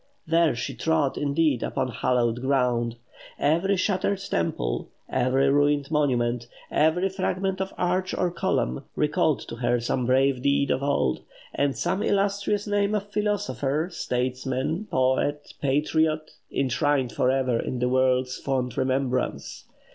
There she trod, indeed, upon "hallowed ground." Every shattered temple, every ruined monument, every fragment of arch or column, recalled to her some brave deed of old; or some illustrious name of philosopher, statesman, poet, patriot, enshrined for ever in the world's fond remembrance.